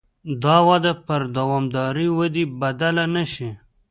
دا وده پر دوامدارې ودې بدله نه شي.